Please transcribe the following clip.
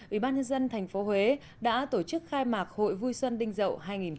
ủy ban nhân dân tp huế đã tổ chức khai mạc hội vui xuân đinh dậu hai nghìn một mươi bảy